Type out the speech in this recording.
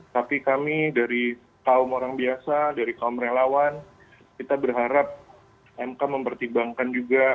tapi kami dari kaum orang biasa dari kaum relawan kita berharap mk mempertimbangkan juga